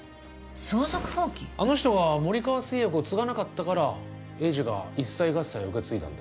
あの人が森川製薬を継がなかったから栄治が一切合切受け継いだんだ。